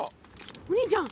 お兄ちゃん！